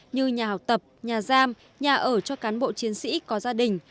như nhà học tập nhà giam nhà ở cho cán bộ chiến sĩ có gia đình